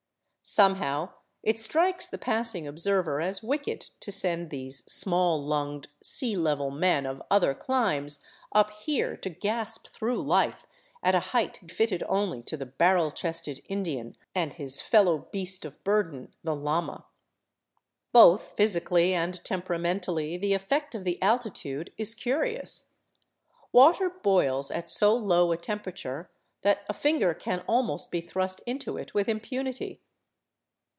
Somehow it strikes 334 ROUND ABOUT THE PERUVIAN CAPITAL the passing observer as wicked to send these small lunged, sea level men of other climes up here to gasp through life at a height fitted only to the barrel chested Indian and his fellow beast of burden, the llama. Both physically and temperamentally the effect of the alti tude is curious. Water boils at so low a temperature that a finger can almost be thrust into it with impunity.